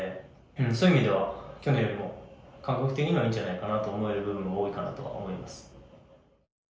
そういう意味では去年よりも感覚的にはいいんじゃないかなと思える部分は多いかなとは思います。